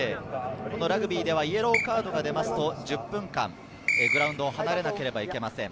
ラグビーではイエローカードが出ると１０分間、グラウンドを離れなければいけません。